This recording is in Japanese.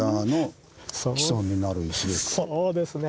そうですね。